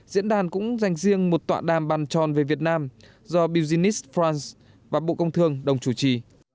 diễn đàn cũng dành riêng một tọa đàm bàn tròn về việt nam do business france và bộ công thương đồng chủ trì